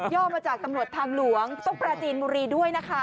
่อมาจากตำรวจทางหลวงต้องปราจีนบุรีด้วยนะคะ